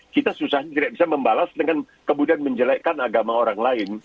kita susah tidak bisa membalas dengan kemudian menjelekkan agama orang lain